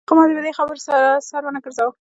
خو ما په دې خبرو پسې سر نه ګرځاوه.